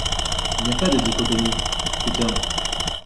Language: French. Il n'y a pas dichotomie ; c'est un